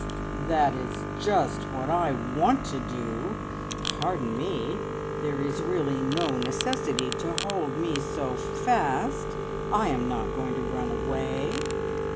"That is just what I want to do! Pardon me, there is really no necessity to hold me so fast. I am not going to run away!"